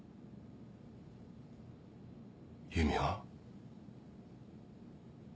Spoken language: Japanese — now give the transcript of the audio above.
由美は。